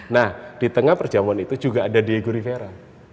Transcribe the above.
nah di tengah perjamuan itu juga ada diego rivera